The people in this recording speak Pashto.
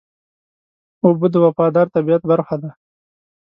اوبه د وفادار طبیعت برخه ده.